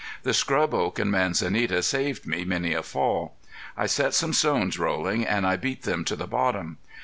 The scrub oak and manzanita saved me many a fall. I set some stones rolling and I beat them to the bottom.